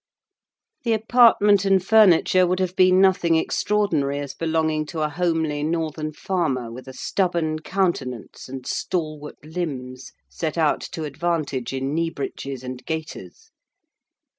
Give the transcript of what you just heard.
The apartment and furniture would have been nothing extraordinary as belonging to a homely, northern farmer, with a stubborn countenance, and stalwart limbs set out to advantage in knee breeches and gaiters.